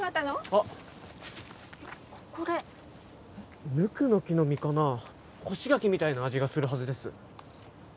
あっこれムクの木の実かな干し柿みたいな味がするはずです